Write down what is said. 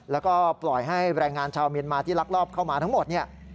แล้วก็ปล่อยให้แรงงานชาวเมียนมาที่ลักลอบเข้ามาทั้งหมดเนี่ย